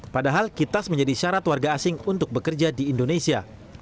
padahal kitas menjadi syarat warga asing untuk bekerja di indonesia